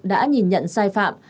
đã nhìn nhận sai phạm